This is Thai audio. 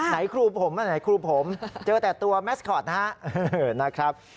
ไหนครูผมอันไหนครูผมเจอแต่ตัวแมสคอตนะครับ